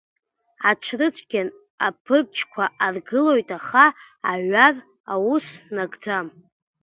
Аҽрыцәгьаны аԥырцәқәа аргылоит, аха аҩар аус нагӡам.